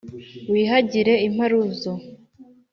wihagire imparuzo,